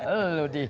terima kasih pak